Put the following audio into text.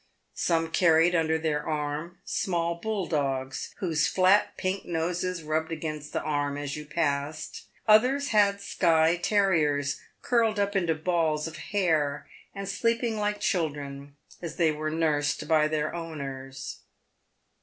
Some carried under their arm small bulldogs, whose flat, pink noses rubbed against the arm as you passed; others had skye terriers, curled up into balls of hair, and sleeping like children, as they were nursed by their owners.